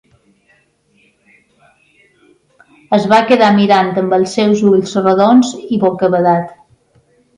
Es va quedar mirant amb els seus ulls rodons i bocabadat.